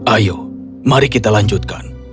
ayo mari kita lanjutkan